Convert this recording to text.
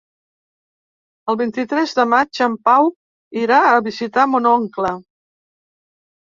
El vint-i-tres de maig en Pau irà a visitar mon oncle.